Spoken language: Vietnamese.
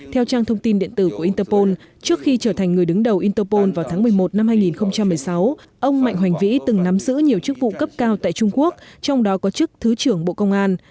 theo trang thông tin điện tử của interpol trước khi trở thành người đứng đầu interpol vào tháng một mươi một năm hai nghìn một mươi sáu ông mạnh hoành vĩ từng nắm giữ nhiều chức vụ cấp cao tại trung quốc trong đó có chức thứ trưởng bộ công an